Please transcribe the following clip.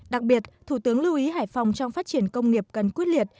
đặc biệt thủ tướng lưu ý hải phòng trong phát triển công nghiệp cần quyết liệt